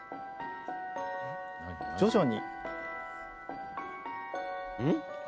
徐々に。